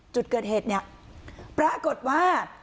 จุดเกิดเหตุเนี่ยปรากฏว่า